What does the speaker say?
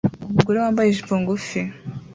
Umugore wambaye ijipo ngufi